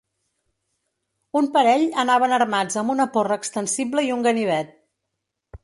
Un parell anaven armats amb una porra extensible i un ganivet.